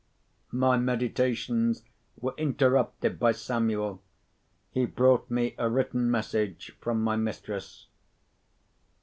My meditations were interrupted by Samuel. He brought me a written message from my mistress.